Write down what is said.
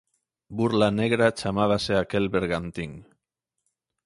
Burla Negra chamábase aquel bergantín.